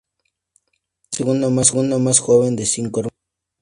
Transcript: Es la segunda más joven de cinco hermanos.